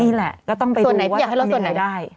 นี่แหละก็ต้องไปดูว่าจะมีอะไรส่วนไหนอยากให้ลดส่วนไหนได้